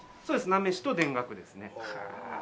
そうです菜めしと田楽ですね。